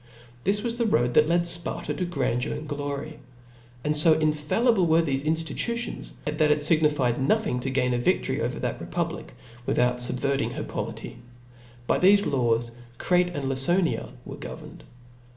This was the road that led Sparta to grandeur and glory ; and fo infallible were thefe inftitutions, that it fignified nothing to gain a viftory over that re public, without iubverting her polity *., By .thefe laws Crete and Lacoiiia were governed.